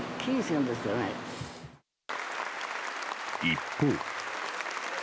一方。